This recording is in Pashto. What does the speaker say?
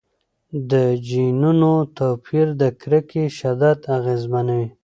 د جینونو توپیر د کرکې شدت اغېزمنوي.